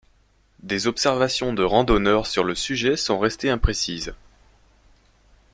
Des observations de randonneurs sur le sujet sont restées imprécises.